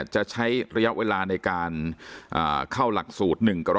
จะใช้ระยะเวลาในการเข้าหลักสูตร๑๐๐